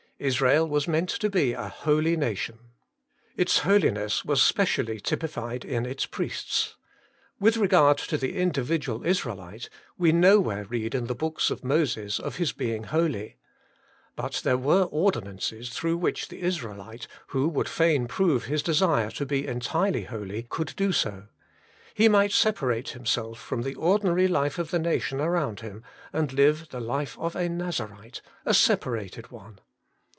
Israel was meant to be a holy nation. Its holiness was specially typified in its priests. With 92 HOLY IN CHRIST. regard to the individual Israelite, we nowhere read in the books of Moses of his being holy. But there were ordinances through which the Israelite, who would fain prove his desire to be entirely holy, could do so. He might separate himself from the ordinary life of the nation around him, and live the life of a Nazarite, a separated one.